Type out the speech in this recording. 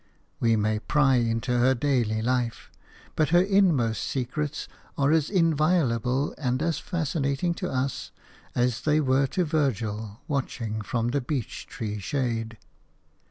We may pry into her daily life, but her innermost secrets are as inviolable and as fascinating to us as they were to Virgil, watching from the beech tree shade.